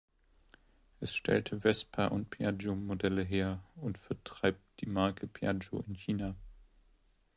Es stellt Vespa- und Piaggio-Modelle her und vertreibt die Marke Piaggio in China.